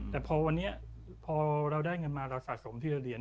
แต่พอเราได้เงินมาเราสะสมทีละเหรียญ